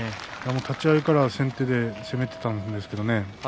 立ち合いから先手で攻めていたんですけれどもね。